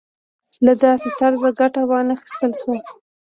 له داسې طرزه ګټه وانخیستل شوه.